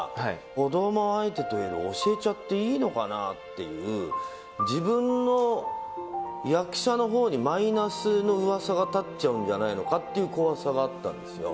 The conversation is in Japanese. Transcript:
子ども相手でも教えちゃっていいのかなっていう、自分の役者のほうにマイナスのうわさが立っちゃうんじゃないのかっていう怖さがあったんですよ。